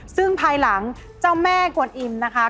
ซึ่งภายหลังเจ้าแม่กวนอิมนะคะ